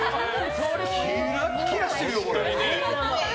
キラキラしてるよ。